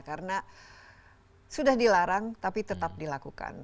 karena sudah dilarang tapi tetap dilakukan